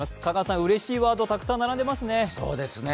香川さん、うれしいワードがたくさん並んでいますね。